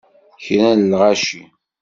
Kra n lɣaci!